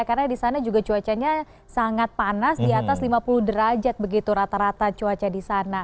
karena disana juga cuacanya sangat panas di atas lima puluh derajat begitu rata rata cuaca disana